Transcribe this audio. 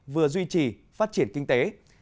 vừa duy trì phát triển kinh tế